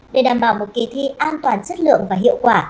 để đảm bảo một kỳ thi an toàn chất lượng và hiệu quả